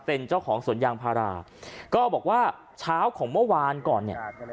เป็นเจ้าของสวนยางพาราก็บอกว่าเช้าของเมื่อวานก่อนเนี่ย